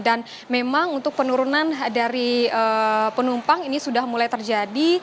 dan memang untuk penurunan dari penumpang ini sudah mulai terjadi